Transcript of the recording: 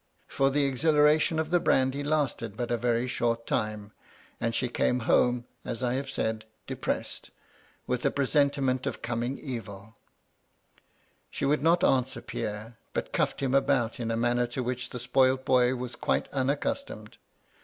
For the exhilaration of the brandy lasted but a very short time, and she came home, as I have said, depressed, with a presentiment of coming evil. MY LADY LUDLOW. 169 She would not answer Pierre, but cuffed him about in a manner to which the spoilt boy was quite unac customed.